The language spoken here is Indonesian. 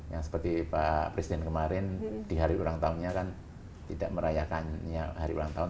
yang seperti pak presiden kemarin di hari ulang tahunnya kan tidak merayakan hari ulang tahun